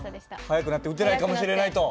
速くなって打てないかもしれないと？